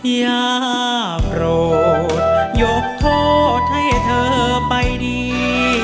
อย่าโปรดยกโทษให้เธอไปดี